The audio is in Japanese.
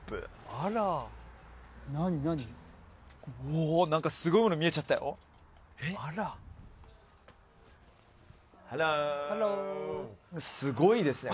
あらおお何かすごいもの見えちゃったよハローハローすごいですね